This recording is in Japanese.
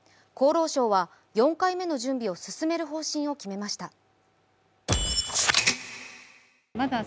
厚労省は４回目の準備を進める方針を決めました。